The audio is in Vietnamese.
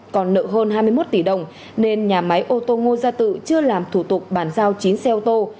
còn nợ hơn hai mươi một tỷ đồng nên nhà máy ô tô ngô gia tự chưa làm thủ tục bàn giao chín xe ô tô